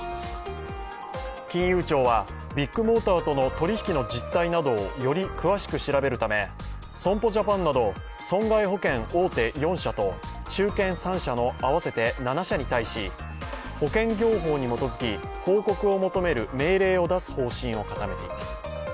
金融庁はビッグモーターとの取引の実態などをより詳しく調べるため損保ジャパンなど損害保険大手４社と中堅３社の合わせて７社に対し、保険業法に基づき報告を求める命令を出す方針を固めています。